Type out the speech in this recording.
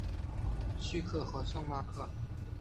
叙克和圣纳克。